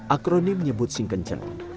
akronim menyebut singkencang